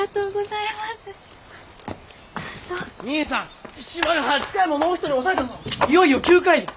いよいよ９回じゃ！